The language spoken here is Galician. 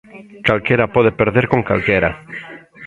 Calquera pode perder con calquera.